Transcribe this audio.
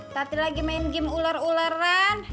tati lagi main game ular uleran